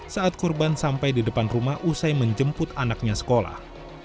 saat korban sampai di depan rumah usai menjemput anaknya sekolah